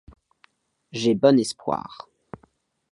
J’ai bon espoir.